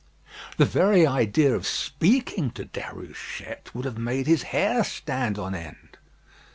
The very idea of speaking to Déruchette would have made his hair stand on end.